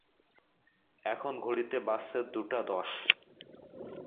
এখন ঘড়িতে বাজছে দুটা দশ!